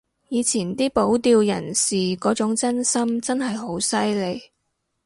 以前啲保釣人士嗰種真心真係好犀利